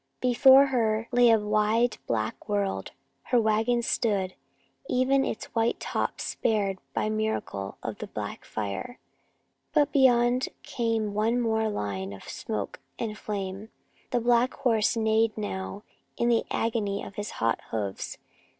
Before her lay a wide black world. Her wagon stood, even its white top spared by miracle of the back fire. But beyond came one more line of smoke and flame. The black horse neighed now in the agony of his hot hoofs.